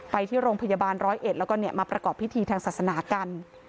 ไปที่โรงพยาบาล๑๐๑แล้วก็มาปรากฎพิธีทางศาสนากัน